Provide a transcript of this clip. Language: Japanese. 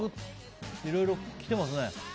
いろいろ来てますね。